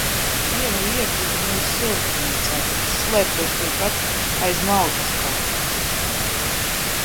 Viena iekrita mūsu siltumnīcā, kad es slēpos turpat aiz malkas kaudzes.